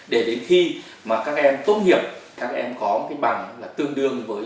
để đến khi mà các em tốt nghiệp các em có cái bằng là tương đương với